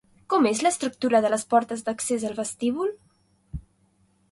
Com és l'estructura de les portes d'accés al vestíbul?